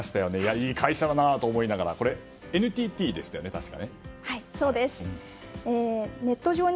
いい会社だなと思いながらこれはＮＴＴでしたよね、確か。